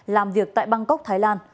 làm việc tại bangkok thái lan